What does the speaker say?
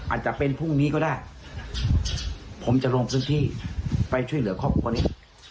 อาจจะเป็นพรุ่งนี้ก็ได้ผมจะลงพื้นที่ไปช่วยเหลือครอบครัวนี้